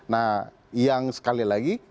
nah yang sekali lagi